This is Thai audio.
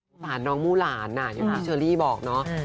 สามารถน้องมู่หลานอย่างที่เชอรี่บอกนะ